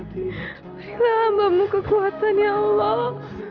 berilah hambamu kekuatan ya allah